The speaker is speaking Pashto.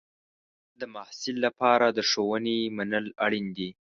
د محصل لپاره د ښوونې منل اړین دی.